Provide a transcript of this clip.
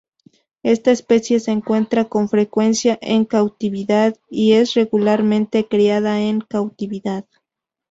Esta especie se encuentra con frecuencia en cautividad, y es regularmente criada en cautividad.